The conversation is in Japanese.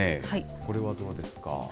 これはどうですか。